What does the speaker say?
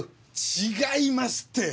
違いますって！